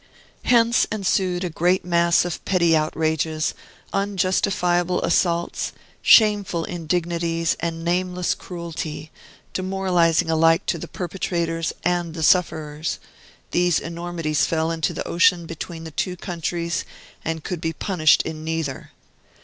Hence ensued a great mass of petty outrages, unjustifiable assaults, shameful indignities, and nameless cruelty, demoralizing alike to the perpetrators and the sufferers; these enormities fell into the ocean between the two countries, and could be punished in neither.